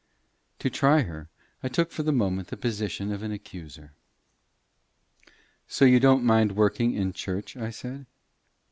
To try her, I took for the moment the position of an accuser. "So you don't mind working in church?" I said.